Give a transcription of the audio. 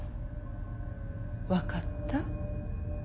分かった？